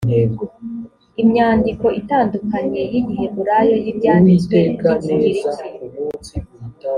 imyandiko itandukanye y igiheburayo y ibyanditswe by ikigiriki